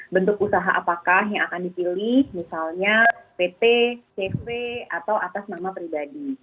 bentuk usaha apakah yang akan dipilih misalnya pt cv atau atas nama pribadi